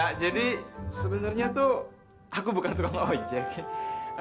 hai sebenarnya bukan tukang kaki saya